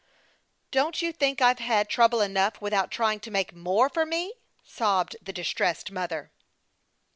" Don't you think I've had trouble enough, with out trying to make more for me ?" sobbed the distressed mother.